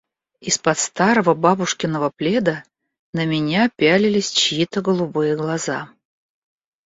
Из-под старого бабушкиного пледа на меня пялились чьи-то голубые глаза.